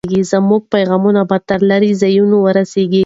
زموږ پیغام به تر لرې ځایونو ورسېږي.